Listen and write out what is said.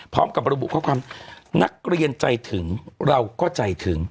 พร้อมกับระบุข้อความนักเรียนใจถึงเราก็ใจถึง